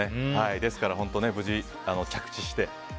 ですから無事、着地して。